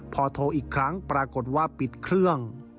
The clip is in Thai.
พอโทรอีกครั้งปรากฏว่าปิดเครื่อง